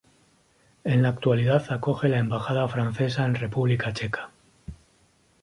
En la actualidad acoge la Embajada Francesa en República Checa.